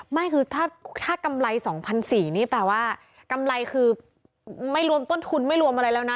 ไม่คือถ้ากำไร๒๔๐๐นี่แปลว่ากำไรคือไม่รวมต้นทุนไม่รวมอะไรแล้วนะ